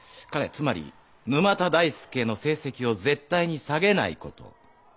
つまり沼田大介の成績を絶対に下げないこと。